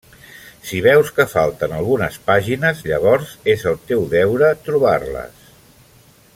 Si veus que falten algunes pàgines, llavors és el teu deure trobar-les.